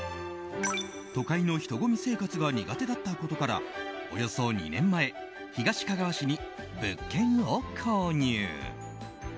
都会の人混み生活が苦手だったことからおよそ２年前東かがわ市に物件を購入。